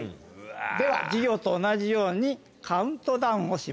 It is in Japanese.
では授業と同じようにカウントダウンをします。